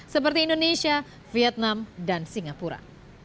seperti indonesia vietnam dan singapura